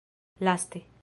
laste